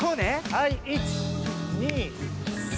はい１２３。